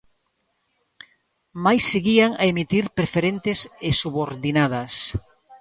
Mais seguían a emitir preferentes e subordinadas.